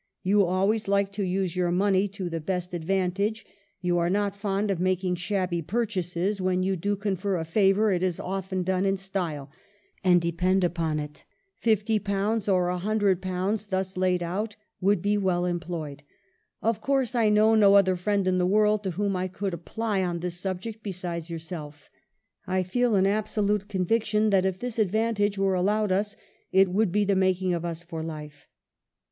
You always like to use your money to the best advantage. 7 9 8 EMILY BRONTE. You are not fond of making shabby purchases . when you do confer a favor it is often clone in style ; and depend upon it, ^50 or ^IOO, thus laid out, would be well employed. Of course, I know no other friend in the world to whom I could apply on this subject besides yourself. I feel an absolute conviction that if this advantage were allowed us, it would be the making of us for life.